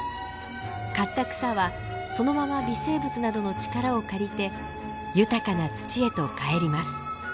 刈った草はそのまま微生物などの力を借りて豊かな土へと返ります。